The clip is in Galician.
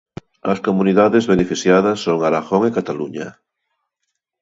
As comunidades beneficiadas son Aragón e Cataluña.